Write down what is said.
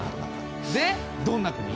でどんな国？